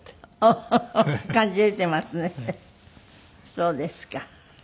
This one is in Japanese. そうですか。